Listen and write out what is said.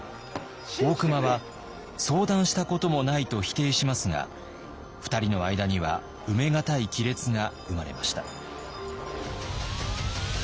大隈は「相談したこともない」と否定しますが２人の間には埋め難い亀裂が生まれました。